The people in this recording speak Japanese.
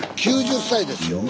９０歳ですよ。